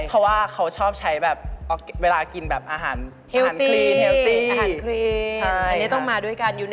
เพราะว่าเขาชอบใช้แบบเวลากินแบบอาหาร